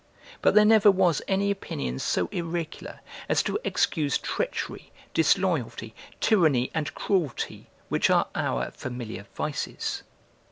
But there never was any opinion so irregular, as to excuse treachery, disloyalty, tyranny, and cruelty, which are our familiar vices.